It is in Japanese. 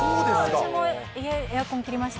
私も家、エアコン切りました。